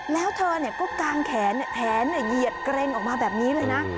แล้วเธอก็กางแขนแขนเหยียดเกร็งออกมาแบบนี้เลยนะ